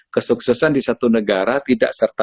kesuksesan di satu negara tidak serta